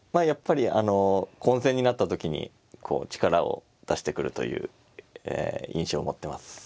やっぱりあの混戦になった時にこう力を出してくるという印象を持ってます。